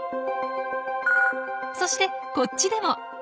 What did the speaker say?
そしてこっちでも。